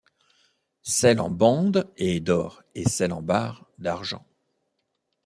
Celle en bande est d'or et celle en barre d'argent.